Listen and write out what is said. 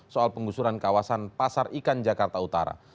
soal penggusuran kawasan pasar ikan jakarta utara